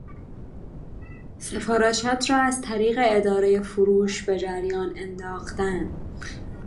سفارشات را از طریق ادارهی فروش به جریان انداختن